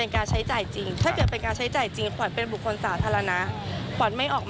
อืมอืมอืมอืมอืมอืม